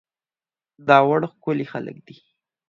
داوړ ښکلي خلک دي